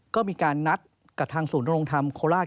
ก็มีการนัดกับทางศูนย์ดำรงธรรมโคราช